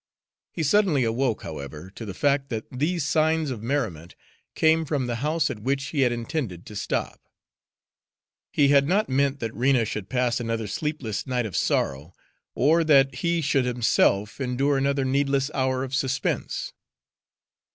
He suddenly awoke, however, to the fact that these signs of merriment came from the house at which he had intended to stop; he had not meant that Rena should pass another sleepless night of sorrow, or that he should himself endure another needless hour of suspense.